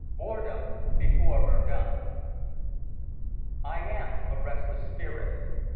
III Boredom Before Verdun I AM a restless spirit.